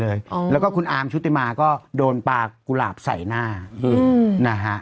เลยอ๋อแล้วก็คุณอ้ามชุติมาก็โดนปากุลาบใส่หน้าอืมนะฮะ